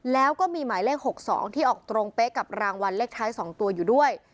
แล้วก็มีหมายเลข๖๒ที่ออกตรงเป๊ะกับรางวัลเลขท้าย๒ตัวอยู่ด้วย